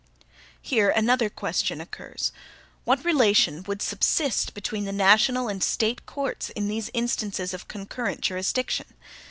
Here another question occurs: What relation would subsist between the national and State courts in these instances of concurrent jurisdiction?